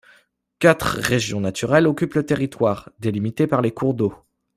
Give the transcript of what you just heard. Quatre régions naturelles occupent le territoire, délimitées par les cours d’eau.